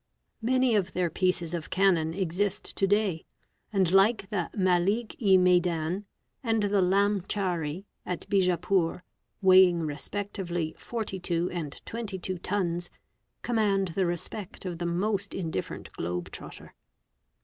Many of their pieces of cannon exist to day, nd like the Malk i Maidan and the Lamchhari, at Bijapur, weighing 'respectively 42 and 22 tons, command the respect of the most indifferent _ globe trotter.